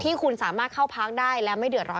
ที่คุณสามารถเข้าพักได้และไม่เดือดร้อน